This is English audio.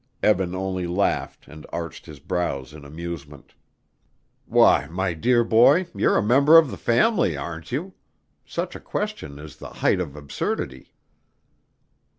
Eben only laughed and arched his brows in amusement. "Why, my dear boy, you're a member of the family, aren't you? Such a question is the height of absurdity."